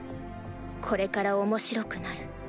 「これから面白くなる。